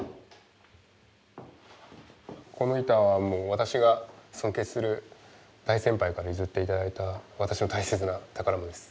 この板は私が尊敬する大先輩から譲って頂いた私の大切な宝物です。